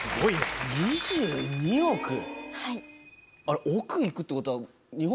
あれ億いくってことは。